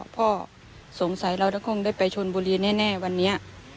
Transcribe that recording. พ่อสงสัยเราจะคงได้ไปชนบุรีแน่วันนี้